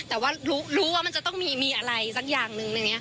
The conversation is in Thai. แต่ว่ารู้ว่ามันจะต้องมีอะไรสักอย่างหนึ่ง